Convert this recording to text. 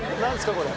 これ」